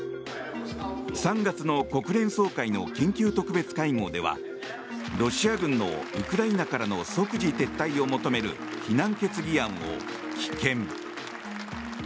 ３月の国連総会の緊急特別会合ではロシア軍のウクライナからの即時撤退を求める非難決議案を棄権。